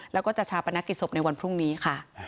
แล้วก็จะชาปนกิจศพในวันพรุ่งนี้ค่ะ